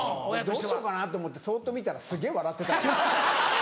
どうしようかなと思ってそっと見たらすげぇ笑ってたんだよね。